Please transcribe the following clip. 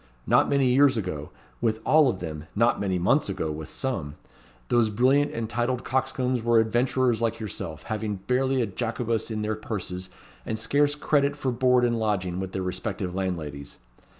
Not many years ago, with all of them; not many months ago, with some; those brilliant and titled coxcombs were adventurers like yourself, having barely a Jacobus in their purses, and scarce credit for board and lodging with their respective landladies.